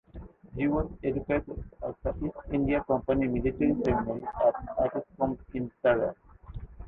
He was educated at the East India Company Military Seminary at Addiscombe in Surrey.